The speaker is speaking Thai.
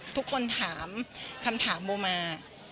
ทุกคนถามคำถามโมมา